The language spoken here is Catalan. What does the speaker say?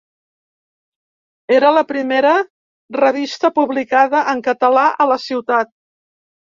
Era la primera revista publicada en català a la ciutat.